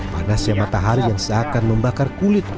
panasnya matahari yang seakan membakar kulit